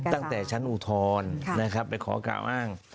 ตั้งแต่ชั้นอุทธรณ์นะครับไปขอกล่าวอ้าง